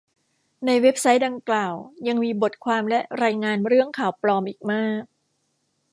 ในเว็บไซต์ดังกล่าวยังมีบทความและรายงานเรื่อง ข่าวปลอม อีกมาก